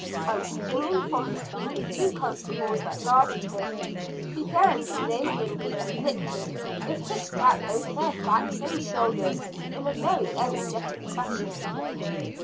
and springing from between the two constables that guarded him, began belaboring the "afflicted" with his strap over their backs and shoulders in a very energetic fashion.